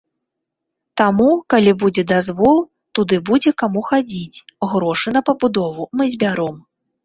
Таму, калі будзе дазвол, туды будзе каму хадзіць, грошы на пабудову мы збяром.